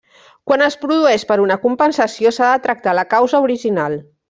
Quan es produeix per una compensació, s'ha de tractar la causa original.